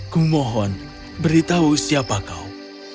kumohon beritahu siapa kau